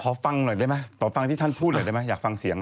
พอฟังหน่อยได้มั้ยพอฟังที่ท่านพูดหน่อยได้มั้ยอยากฟังเสียงน่ะ